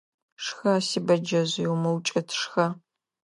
Шхэ, си бэджэжъый, умыукӀыт, шхэ!